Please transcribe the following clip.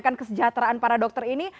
kesejahteraan para dokter ini